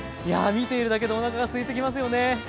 いや見ているだけでおなかがすいてきますよね。